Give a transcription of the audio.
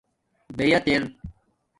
بیات اِر